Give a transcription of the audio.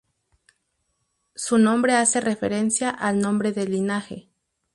Su nombre hace referencia al nombre del linaje.